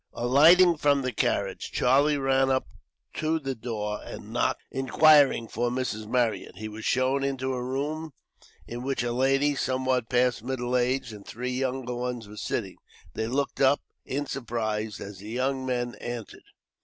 Alighting from the carriage, Charlie ran up to the door and knocked. Inquiring for Mrs. Marryat, he was shown into a room in which a lady, somewhat past middle age, and three younger ones were sitting. They looked up, in surprise, as the young man entered.